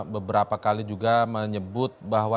beberapa kali juga menyebut bahwa